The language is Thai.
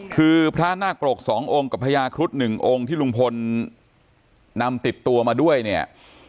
คือพระนาคปรกสององค์กับพญาครุฑหนึ่งองค์ที่ลุงพลนำติดตัวมาด้วยเนี่ย